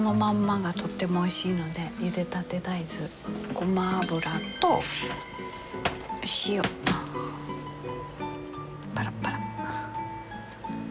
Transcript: ごま油と塩パラパラ。